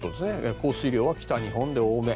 降水量は北日本で多め。